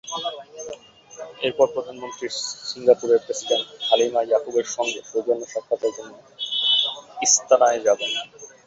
এরপর প্রধানমন্ত্রী সিঙ্গাপুরের প্রেসিডেন্ট হালিমা ইয়াকুবের সঙ্গে সৌজন্য সাক্ষাতের জন্য ইস্তানায় যাবেন।